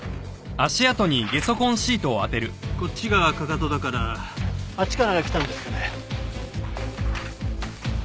こっちがかかとだからあっちから来たんですかね。